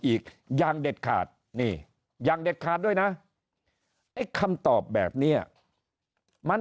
อีกอย่างเด็ดขาดนี่อย่างเด็ดขาดด้วยนะไอ้คำตอบแบบนี้มัน